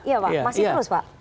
iya dong masih berjalan